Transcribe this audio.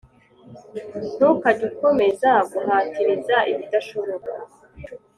Ntukajye ukomeza guhatiriza ibidashoboka